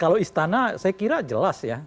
kalau istana saya kira jelas ya